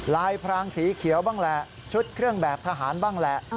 ลายพรางสีเขียวบ้างแหละชุดเครื่องแบบทหารบ้างแหละ